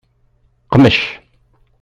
Qmec.